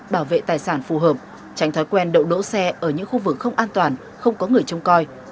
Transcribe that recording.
bảo vệ tài sản phù hợp tránh thói quen đậu đỗ xe ở những khu vực không an toàn không có người trông coi